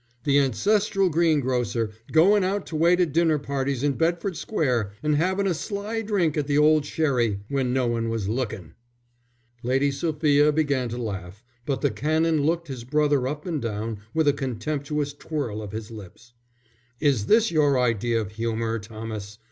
"The ancestral green grocer goin' out to wait at dinner parties in Bedford Square, and havin' a sly drink at the old sherry when no one was lookin'!" Lady Sophia began to laugh, but the Canon looked his brother up and down, with a contemptuous twirl of his lips. "Is this your idea of humour, Thomas?"